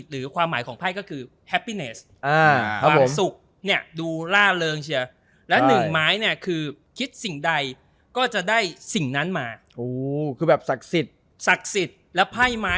เรามาเปิดบอร์นมัสก่อนเลยนะ